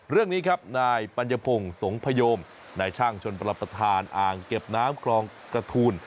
เรื่องนี้ครับนายปัญญพงศ์สงพยมนายช่างชนประทานอ่างเก็บน้ำคลองกระทูล